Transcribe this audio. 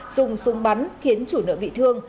dùng súng bắn khiến chủ nợ bị thương